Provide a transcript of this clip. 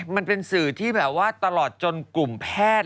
มันเป็นสื่อที่แบบว่าตลอดจนกลุ่มแพทย์